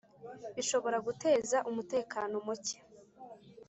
bishobora guteza umutekano muke